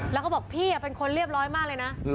แล้วก็บอกพี่เป็นคนเรียบร้อยมากเลยนะ